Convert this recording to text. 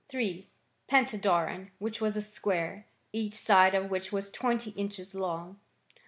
Pentadoron, which was a square, each side of which was 20 inches long.